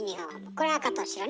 これ赤と白ね。